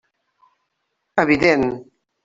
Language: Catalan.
Evident.